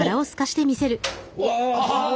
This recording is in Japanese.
うわ！